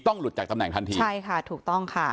หลุดจากตำแหนทันทีใช่ค่ะถูกต้องค่ะ